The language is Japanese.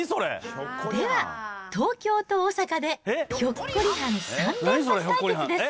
では、東京と大阪で、ひょっこりはん３連発対決です。